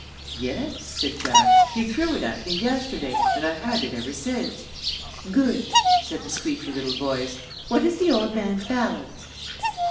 "Yes," said Jack. "He threw it at me yesterday, and I've had it ever since." "Good!" said the squeaky little voice. "What is the old man's balance?"